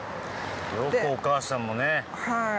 よくお母さんもね